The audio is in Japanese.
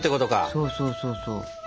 そうそうそうそう。